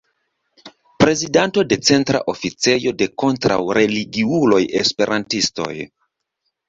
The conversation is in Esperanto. Prezidanto de Centra oficejo de kontraŭreligiuloj-Esperantistoj.